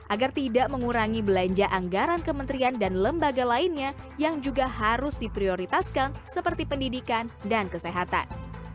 agar tidak mengurangi belanja anggaran kementerian dan lembaga lainnya yang juga harus diprioritaskan seperti pendidikan dan kesehatan